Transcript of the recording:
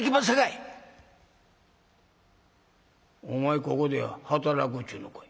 「お前ここで働くっちゅうのかい？」。